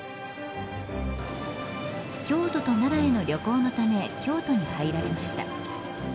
京都と奈良への旅行のため京都に入られました。